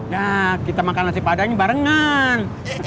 nah kita makan nasi padang barengan